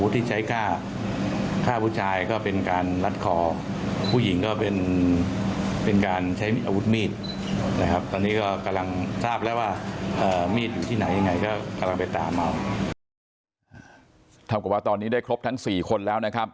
เท่ากับว่าตอนนี้ได้ครบทั้ง๔คนแล้วนะครับ